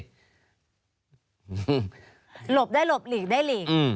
หลบได้หลบหลีกได้หลีก